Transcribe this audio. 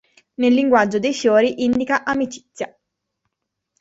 Nel linguaggio dei fiori indica amicizia.